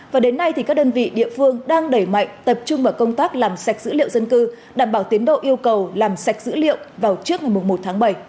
và đến nay các đơn vị địa phương đang đẩy mạnh tập trung vào công tác làm sạch dữ liệu dân cư đảm bảo tiến độ yêu cầu làm sạch dữ liệu vào trước ngày một tháng bảy